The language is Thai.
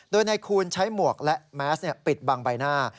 โดยนายคูณใช้หมวกและแมสปิดบังใบหน้า